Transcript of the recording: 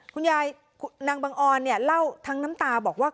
คุณยายนางบังออนเนี่ยเล่าทั้งน้ำตาบอกว่า